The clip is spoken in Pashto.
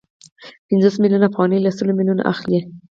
پنځوس میلیونه افغانۍ له سلو میلیونو اخلي